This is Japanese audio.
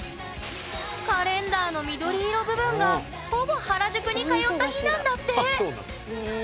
カレンダーの緑色部分がほぼ原宿に通った日なんだって！